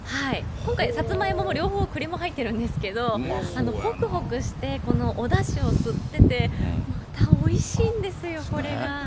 今回、サツマイモもクリも、両方入ってるんですけど、ほくほくして、このおだしを吸ってて、またおいしいんですよ、これが。